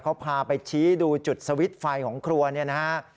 เขาพาไปชี้ดูจุดสวิตช์ไฟของครัวเนี่ยนะฮะ